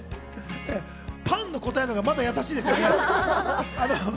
パンの答えのほうがまだやさしいですね。